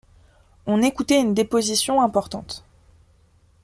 On écoutait une déposition importante.